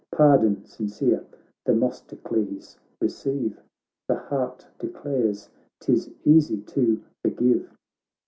Pardon sincere, Themistocles, receive ; The heart declares 'tis easy to forgive.'